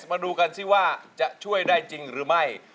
มาดูกันสิว่าจะช่วยได้จริงหรือไม่